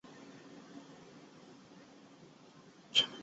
同年加入中国社会主义青年团。